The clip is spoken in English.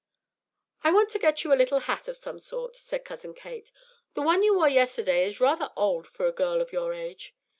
"I want to get you a little hat of some sort," said Cousin Kate. "The one you wore yesterday is rather old for a girl of your age.